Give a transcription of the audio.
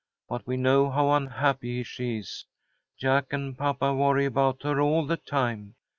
But we know how unhappy she is. Jack and papa worry about her all the time.